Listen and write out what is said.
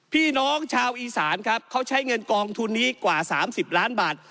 พี่น้องชาวอีสานครับเขาใช้เงินกองทุนนี้กว่า๓๐ล้านบาท